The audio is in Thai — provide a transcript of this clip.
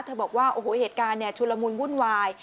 เธอบอกว่าโอ้โหเหตุการณ์ชุลมุนวุ่นวาย